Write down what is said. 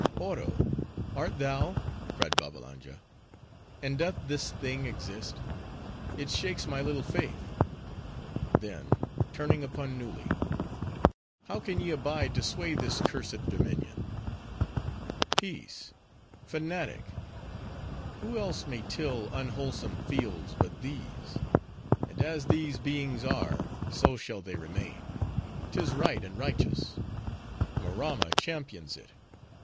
"Oro! Art thou?" cried Babbalanja; "and doth this thing exist? It shakes my little faith." Then, turning upon Nulli, "How can ye abide to sway this curs'd dominion?" "Peace, fanatic! Who else may till unwholesome fields, but these? And as these beings are, so shall they remain; 'tis right and righteous! Maramma champions it!